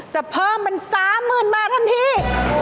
จะเพิ่มเป็น๓๐๐๐บาททันที